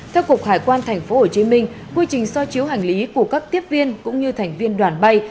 theo cục hải quan tp hcm quy trình so chiếu hành lý của các tiếp viên cũng như thành viên đoàn bay